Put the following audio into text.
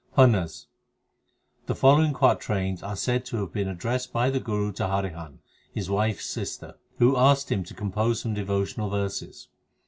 PUNHAS The following quatrains are said to have been addressed by the Guru to Harihan, his wife s sister, who asked him to compose some devotional verses.